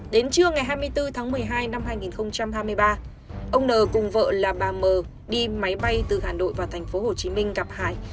đến trưa ngày hai mươi bốn tháng một mươi hai năm hai nghìn hai mươi ba ông n cùng vợ là bà m đi máy bay từ hà nội vào thành phố hồ chí minh gặp hải